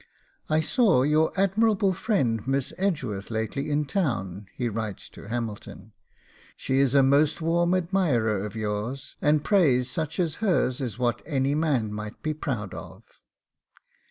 'I saw your admirable friend Miss Edgeworth lately in town,' he writes to Hamilton; 'she is a most warm admirer of yours, and praise such as hers is what any man might be proud of.